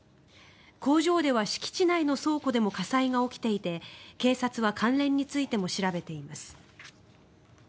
工場では敷地内の倉庫でも火災が起きていて警察は関連についても調べています。